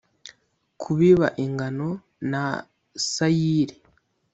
kubiba ingano na sayiri